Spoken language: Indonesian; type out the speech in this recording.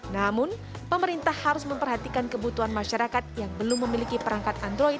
namun pemerintah harus memperhatikan kebutuhan masyarakat yang belum memiliki perangkat android